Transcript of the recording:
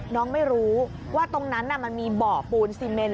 น้องไม่รู้ว่าตรงนั้นมันมีบ่อปูนซีเมน